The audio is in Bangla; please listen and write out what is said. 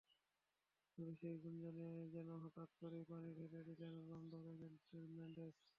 তবে সেই গুঞ্জনে যেন হঠাৎ করেই পানি ঢেলে দিলেন রোনালদোর এজেন্ট মেন্ডেস।